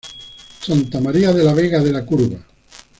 Santa María de la Vega de La Curva.